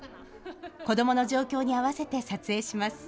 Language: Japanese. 子どもの状況に合わせて撮影します。